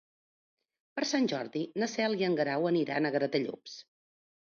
Per Sant Jordi na Cel i en Guerau aniran a Gratallops.